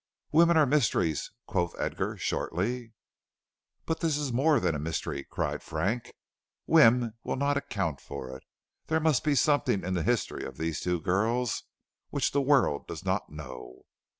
"Women are mysteries," quoth Edgar, shortly. "But this is more than a mystery," cried Frank. "Whim will not account for it. There must be something in the history of these two girls which the world does not know."